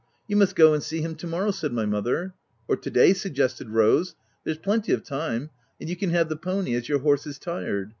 " You must go and see him to morrow," said my mother. " Or to day/' suggested Rose :" there's plenty of time ; and you can have the pony, your horse is tired.